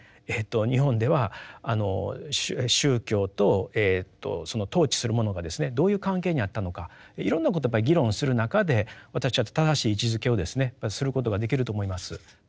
日本では宗教とその統治するものがですねどういう関係にあったのかいろんなことをやっぱり議論する中で私は正しい位置づけをですねすることができると思います。